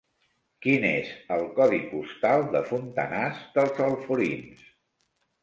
Quin és el codi postal de Fontanars dels Alforins?